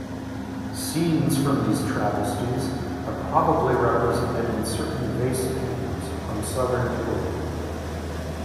Scenes from these travesties are probably represented in certain vase paintings from Southern Italy.